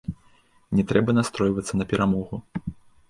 Не трэба настройвацца на перамогу.